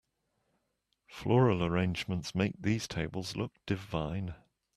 Floral arrangements make these tables look divine.